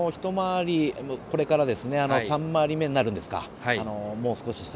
これから３回り目になるんですか。